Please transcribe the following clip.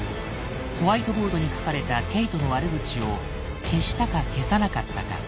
ホワイトボードに書かれたケイトの悪口を消したか消さなかったか。